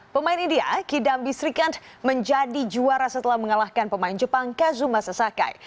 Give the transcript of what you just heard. pemain india kidambi srikant menjadi juara setelah mengalahkan pemain jepang kazuma sasakai